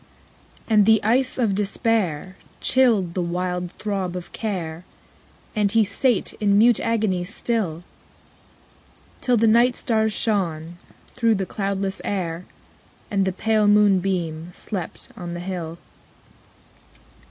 6. And the ice of despair Chilled the wild throb of care, And he sate in mute agony still; Till the night stars shone through the cloudless air, _35 And the pale moonbeam slept on the hill.